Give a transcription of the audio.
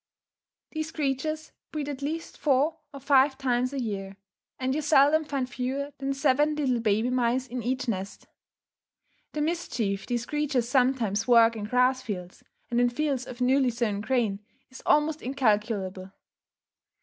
These creatures breed at least four or five times a year; and you seldom find fewer than seven little baby mice in each nest. The mischief these creatures sometimes work in grass fields, and in fields of newly sown grain, is almost incalculable.